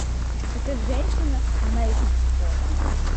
Это женщина, она из месткома.